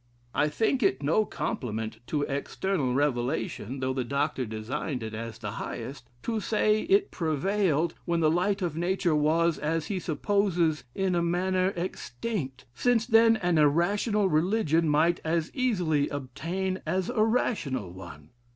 I think it no compliment to external revelation, though the Dr. designed it as the highest, to say, it prevailed, when the light of nature was, as he supposes, in a manner extinct; since then an irrational religion might as easily obtain, as a rational one.